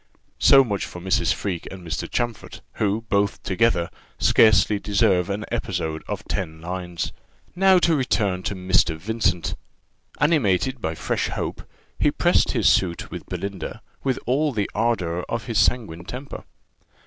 So much for Mrs. Freke and Mr. Champfort, who, both together, scarcely deserve an episode of ten lines. Now to return to Mr. Vincent. Animated by fresh hope, he pressed his suit with Belinda with all the ardour of his sanguine temper.